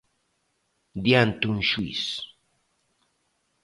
Diante un xuíz.